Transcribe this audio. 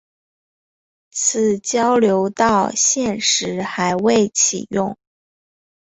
此交流道现时还未启用。